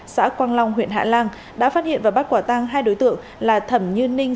xã quang long huyện hạ lan đã phát hiện và bắt quả tang hai đối tượng là thẩm như ninh